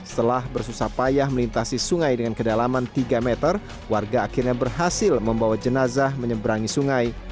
setelah bersusah payah melintasi sungai dengan kedalaman tiga meter warga akhirnya berhasil membawa jenazah menyeberangi sungai